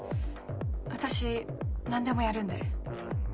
私何でもやるんで。